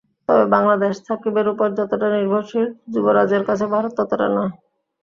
তবে বাংলাদেশ সাকিবের ওপর যতটা নির্ভরশীল, যুবরাজের কাছে ভারত ততটা নয়।